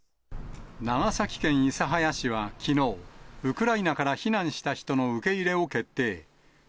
長崎県諫早市はきのう、ウクライナから避難した人の受け入れを決定。